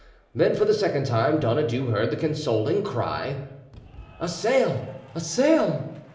Then for the second time Donadieu heard the consoling cry, "A sail! a sail!"